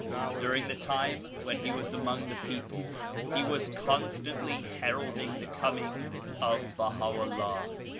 During the time when he was among the people he was constantly heralding the coming of Baha 'Ullah.